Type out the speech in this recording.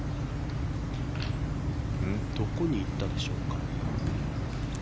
どこに行ったでしょうか。